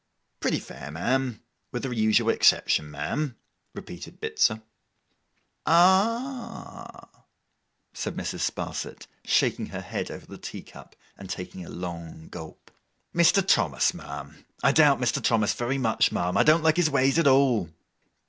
'Pretty fair, ma'am. With the usual exception, ma'am,' repeated Bitzer. 'Ah—h!' said Mrs. Sparsit, shaking her head over her tea cup, and taking a long gulp. 'Mr. Thomas, ma'am, I doubt Mr. Thomas very much, ma'am, I don't like his ways at all.